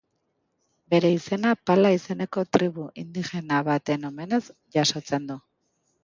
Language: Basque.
Bere izena Pala izeneko tribu indigena baten omenez jasotzen du.